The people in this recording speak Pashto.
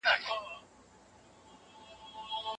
صنعتي سکتور څنګه د بازار سیالۍ ته ځان چمتو کوي؟